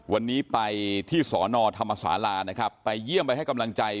วันนี้ไปที่สอนอธรรมศาลานะครับไปเยี่ยมไปให้กำลังใจ